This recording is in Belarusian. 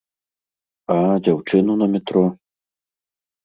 А, дзяўчыну на метро.